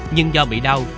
nhưng do bị đau